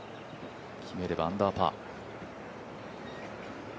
決めればアンダーパー。